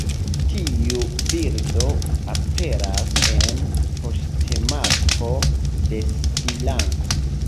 Tiu birdo aperas en poŝtmarko de Srilanko.